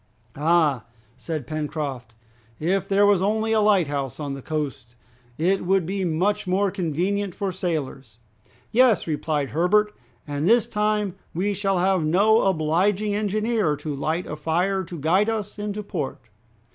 "Ah!" said Pencroft, "if there was only a lighthouse on the coast, it would be much more convenient for sailors." "Yes," replied Herbert, "and this time we shall have no obliging engineer to light a fire to guide us into port!"